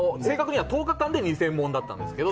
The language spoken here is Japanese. １０日間で２０００問だったんですけど。